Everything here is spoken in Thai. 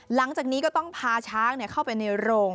หลังจากนี้ก็ต้องพาช้างเข้าไปในโรง